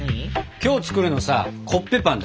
今日作るのさコッペパンだよね。